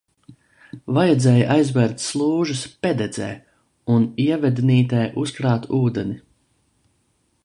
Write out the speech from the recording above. Vajadzēja aizvērt slūžas Pededzē un Ievednītē, uzkrāt ūdeni.